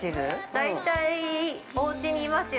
◆大体、おうちにいますよ